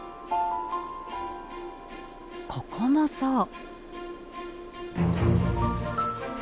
ここもそう。